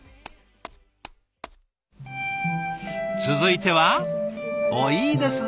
続いてはおっいいですね！